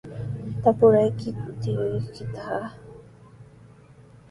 ¿Tapurqaykiku tiyuykitaqa?